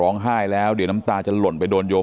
ลูกชายวัย๑๘ขวบบวชหน้าไฟให้กับพุ่งชนจนเสียชีวิตแล้วนะครับ